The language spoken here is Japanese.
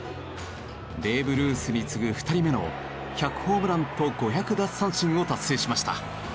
ベーブ・ルースに次ぐ２人目の１００ホームランと５００奪三振を達成しました。